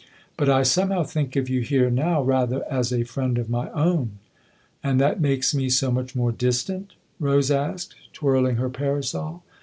But I somehow think of you here now rather as a friend of my own." " And that makes me so much more distant ?" Rose asked, twirling her parasol.